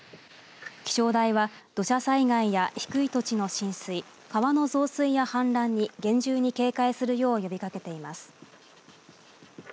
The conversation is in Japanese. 気象台は土砂災害や低い土地の浸水川の増水や氾濫に厳重に警戒するよう呼びかけています。